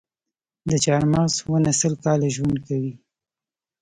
د چهارمغز ونه سل کاله ژوند کوي؟